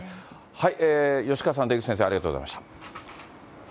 はい、吉川さん、出口先生、ありがとうございました。